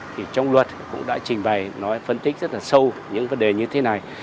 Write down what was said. thì trong luật cũng đã trình bày nói phân tích rất là sâu những vấn đề như thế này